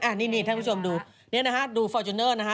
อันนี้ท่านผู้ชมดูนี่นะฮะดูฟอร์จูเนอร์นะฮะ